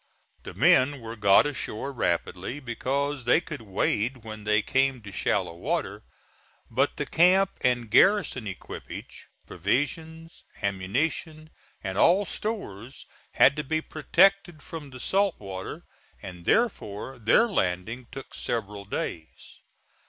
The men were got ashore rapidly, because they could wade when they came to shallow water; but the camp and garrison equipage, provisions, ammunition and all stores had to be protected from the salt water, and therefore their landing took several days.